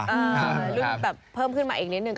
รุ่นแบบเพิ่มขึ้นมาอีกนิดนึง